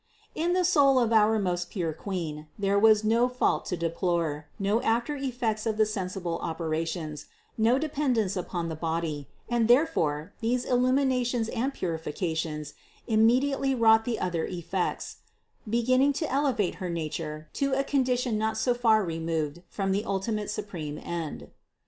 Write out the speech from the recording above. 627. In the soui of our most pure Queen, there was no fault to deplore, no after effects of the sensible operations, no dependence upon the body, and therefore these illumi nations and purifications immediately wrought the other effects, beginning to elevate her nature to a condition not so far removed from the ultimate supreme End.